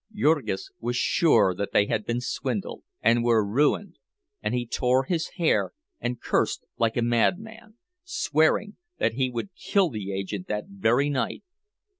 Jurgis was sure that they had been swindled, and were ruined; and he tore his hair and cursed like a madman, swearing that he would kill the agent that very night.